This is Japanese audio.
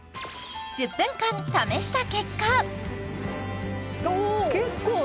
１０分間試した結果おお！